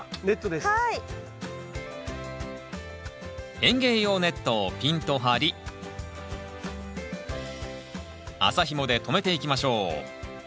園芸用ネットをピンと張り麻ひもで留めていきましょう